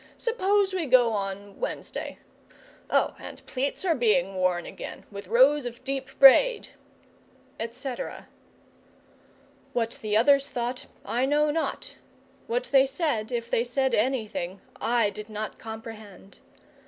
Suppose we go on Wednesday. Oh, and pleats are being worn again, with rows of deep braid," etc. What the others thought I know not; what they said, if they said anything, I did not comprehend.